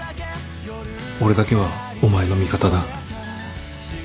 俺だけはお前の味方だ。